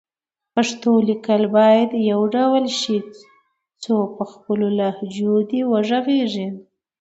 د پښتو لیکل باید يو ډول شي خو په خپلو لهجو دې غږېږي